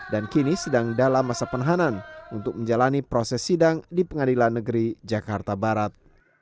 dan kini sedang dalam masa penahanan untuk menjalani proses sidang di pengadilan negeri jakarta barat